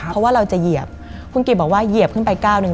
คุณกริจบอกว่าเหยียบขึ้นไปก้าวหนึ่ง